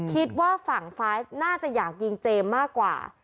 คิดว่าฝั่งไฟล์น่าจะอยากยิงเจมส์มากกว่า